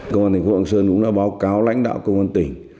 công an thành phố lạng sơn cũng đã báo cáo lãnh đạo công an tỉnh